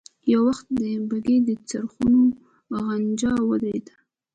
يو وخت د بګۍ د څرخونو غنجا ودرېده.